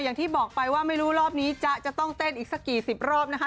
อย่างที่บอกไปว่าไม่รู้รอบนี้จะต้องเต้นอีกสักกี่สิบรอบนะคะ